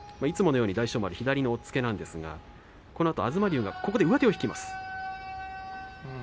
いつものように大翔丸左の押っつけなんですがこのあと大翔丸が上手を引きますね。